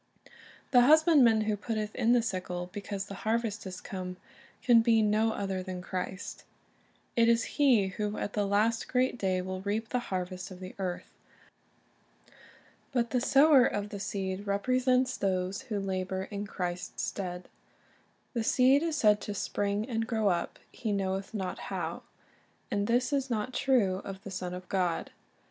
The husbandman who "putteth in the sickle, because the harvest is come," can be no other than Christ. It is ( 62 ) Based on Mark 4 : 26 ae ''First the Blade, then the Ear'' 63 He who at the last great day will reap the harvest of the earth. But the sower of the seed represents those who labor in Christ's stead. The seed is said to "spring and grow up, he knoweth not how," and this is not true of the Son of God.